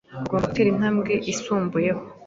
Agomba gutera intambwe isumbyeho